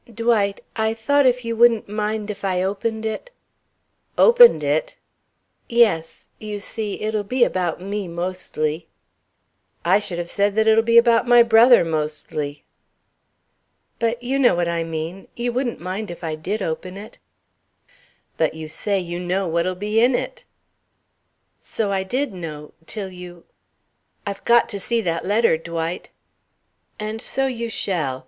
"Dwight I thought if you wouldn't mind if I opened it " "Opened it?" "Yes. You see, it'll be about me mostly " "I should have said that it'll be about my brother mostly." "But you know what I mean. You wouldn't mind if I did open it?" "But you say you know what'll be in it." "So I did know till you I've got to see that letter, Dwight." "And so you shall.